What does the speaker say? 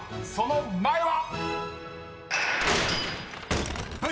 ［その前は？］